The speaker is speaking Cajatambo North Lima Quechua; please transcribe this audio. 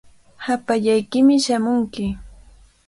Hapallaykimi shamunki.